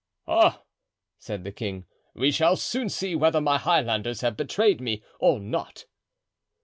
"Ah!" said the king, "we shall soon see whether my Highlanders have betrayed me or not."